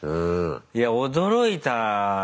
いや驚いたね。